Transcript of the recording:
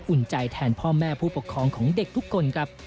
อุ่นใจแทนพ่อแม่ผู้ปกครองของเด็กทุกคนครับ